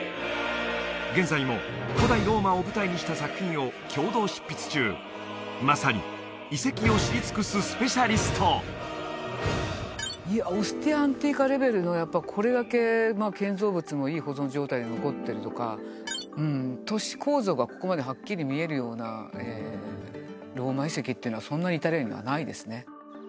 現在も古代ローマを舞台にした作品を共同執筆中まさに遺跡を知り尽くすスペシャリストいやオスティア・アンティーカレベルのやっぱこれだけ建造物もいい保存状態で残ってるとかうん都市構造がここまではっきり見えるようなローマ遺跡っていうのはそんなにイタリアにはないですね